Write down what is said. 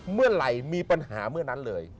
เมื่อไหร่มีปัญหาเมื่อนั้นเลย